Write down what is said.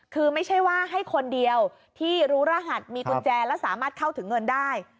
คือไม่ใช่ว่าให้คนเดียวที่รู้รหัสมีกุญแจและสามารถเข้าถึงเงินได้